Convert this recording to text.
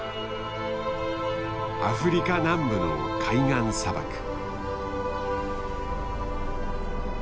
アフリカ南部の海岸砂漠。